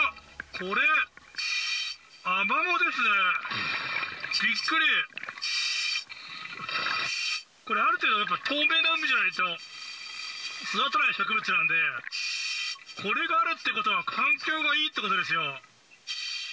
これ、ある程度、やっぱり透明な海じゃないと育たない植物なんで、これがあるっていうことは、環境がいいっていうことですよ。